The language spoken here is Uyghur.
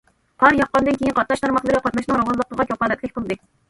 قار ياغقاندىن كېيىن قاتناش تارماقلىرى قاتناشنىڭ راۋانلىقىغا كاپالەتلىك قىلدى.